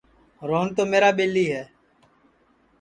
روہن تو میرا ٻیلی ہے